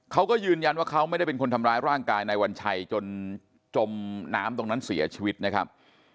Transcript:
เขาก็ยืนยันว่าเขาไม่ได้เป็นคนทำร้ายร่างกายนายวัญชัยจนจมน้ำตรงนั้นเสียชีวิตนะครับ